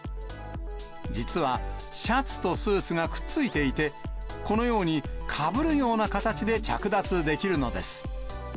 実は、シャツとスーツがくっついていて、このようにかぶるような形で着脱できるのです。